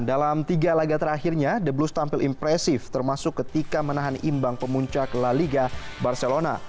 dalam tiga laga terakhirnya the blues tampil impresif termasuk ketika menahan imbang pemuncak la liga barcelona